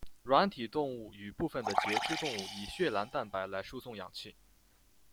软体动物与部分的节肢动物以血蓝蛋白来输送氧气。